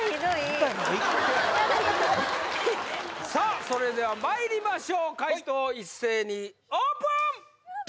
舞台なんかさあそれではまいりましょう解答一斉にオープン！